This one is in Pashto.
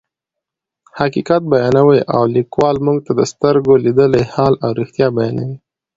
حقیقت بیانوي او لیکوال موږ ته د سترګو لیدلی حال او رښتیا بیانوي.